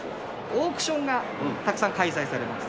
オークションがたくさん開催されます。